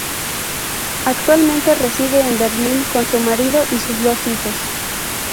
Actualmente reside en Berlín con su marido y sus dos hijos.